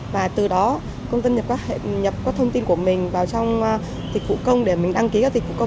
và từ đó công dân nhập các thông tin của mình vào trong thịt phụ công để mình đăng ký các thịt phụ công